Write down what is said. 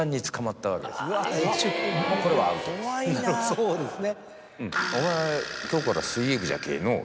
そうですね。